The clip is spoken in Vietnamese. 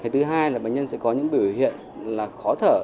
thứ hai là bệnh nhân sẽ có những biểu hiện là khó thở